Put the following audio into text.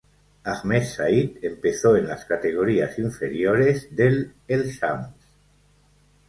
Ahmed Said empezó en las categorías inferiores del El Shams.